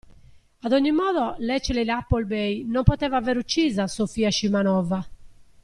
A ogni modo, Letchley Appleby non poteva avere uccisa Sofia Scimanova.